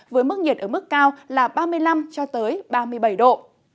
với mức nhiệt ở mức cao là ba mươi năm ba mươi bảy độ